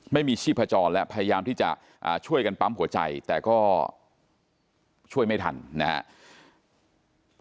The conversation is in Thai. ไม่มีชีพจรและพยายามที่จะช่วยกันปั๊มหัวใจแต่ก็ช่วยไม่ทันนะครับ